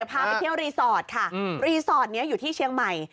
พาไปเที่ยวรีสอร์ทค่ะรีสอร์ทนี้อยู่ที่เชียงใหม่